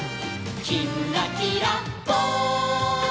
「きんらきらぽん」